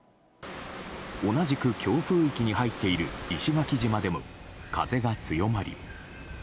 同じく強風域に入っている石垣島でも風が強まり。